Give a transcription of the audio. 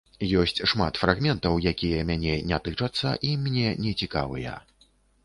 Ёсць шмат фрагментаў, якія мяне не тычацца і мне не цікавыя.